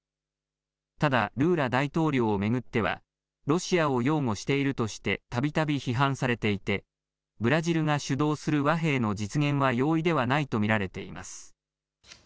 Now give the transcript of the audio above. ただルーラ大統領を巡ってはロシアを擁護しているとしてたびたび批判されていてブラジルが主導する和平の実現は容易ではないと見られています。